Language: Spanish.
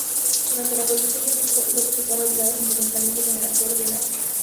Durante la producción del disco, Lopez estaba ligada sentimentalmente con el actor Ben Affleck.